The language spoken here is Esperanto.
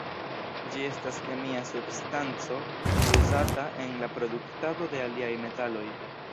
Ĝi estas kemia substanco uzata en la produktado de aliaj metaloj.